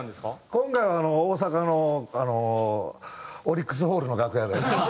今回は大阪のあのオリックスホールの楽屋で。